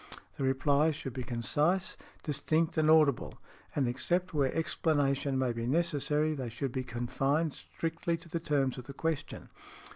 "The replies should be concise, distinct and audible, and except where explanation may be necessary, they should be confined strictly to the terms of the question."